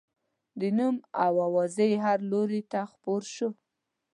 د نوم او اوازې یې هر لوري ته خپور شو.